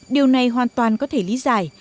điều này hoàn toàn có thể lý giải